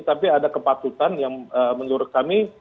tapi ada kepatutan yang menurut kami